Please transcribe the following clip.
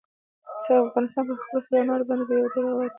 افغانستان په خپلو سرو انارو باندې یو ډېر غني هېواد دی.